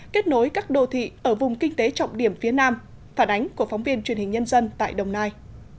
kết nối các đô thị ở vùng kinh tế trọng điểm phía nam phản ánh của phóng viên truyền hình nhân dân tại đồng nai